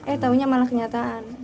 eh taunya malah kenyataan